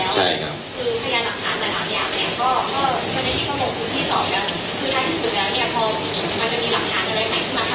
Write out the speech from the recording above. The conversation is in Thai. พอมันจะมีหลักฐานอะไรมันทำให้มันพลิกอยู่ไหมครับ